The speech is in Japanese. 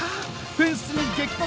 フェンスに激突！